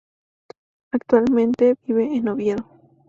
Actualmente vive en Oviedo.